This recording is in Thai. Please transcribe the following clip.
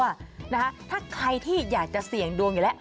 หรือว่าถ้าใครที่อยากเศรียงดวงอยู่แล้ว